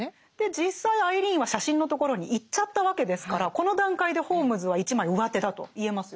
実際アイリーンは写真のところに行っちゃったわけですからこの段階でホームズは一枚うわてだと言えますよね。